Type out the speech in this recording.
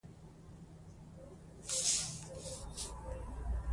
پروبیوتیکونه د کولمو توازن ساتي.